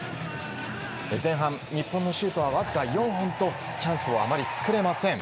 前半、日本のシュートは僅か４本と、チャンスをあまり作れません。